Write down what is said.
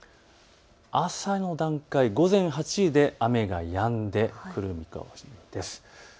朝の段階午前８時で雨がやんでくる見通しです。